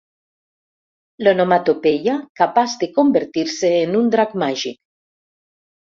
L'onomatopeia capaç de convertir-se en un drac màgic.